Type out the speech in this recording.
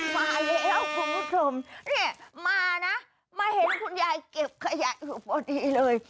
มาแล้วคุณผู้ชมเนี่ยมานะมาเห็นคุณยายเก็บขยะอยู่พอดีเลย